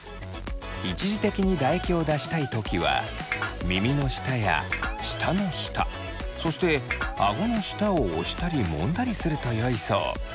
一時的に唾液を出したい時は耳の下や舌の下そしてあごの下を押したりもんだりするとよいそう。